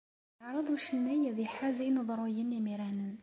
Yeɛreḍ ucennay ad iḥaz ineḍruyen imiranen.